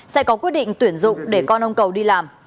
sẽ có quyết định tuyển dụng để con ông cầu đi làm